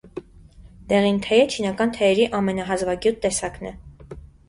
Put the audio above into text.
Դեղին թեյը չինական թեյերի ամենահազվագյուտ տեսակն է։